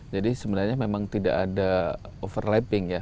jadi sebenarnya memang tidak ada overlapping ya